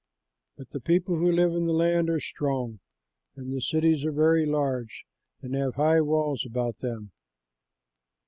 But the people who live in the land are strong, and the cities are very large and have high walls about them."